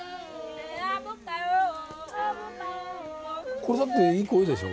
これだっていい声でしょ？